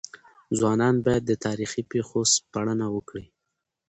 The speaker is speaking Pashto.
ځوانان بايد د تاريخي پېښو سپړنه وکړي.